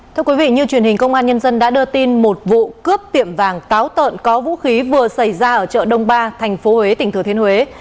thưa quý vị như truyền hình công an nhân dân đã đưa tin một vụ cướp tiệm vàng táo tợn có vũ khí vừa xảy ra ở chợ đông ba tp huế tỉnh thừa thiên huế